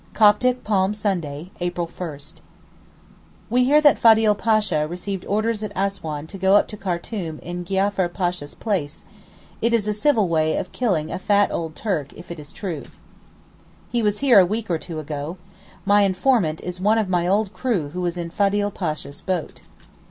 Coptic Palm Sunday, April 1. We hear that Fadil Pasha received orders at Assouan to go up to Khartoum in Giaffar Pasha's place: it is a civil way of killing a fat old Turk, if it is true. He was here a week or two ago. My informant is one of my old crew who was in Fadil Pasha's boat.